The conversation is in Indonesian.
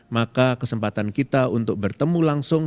maka kesempatan kita untuk bertemu langsung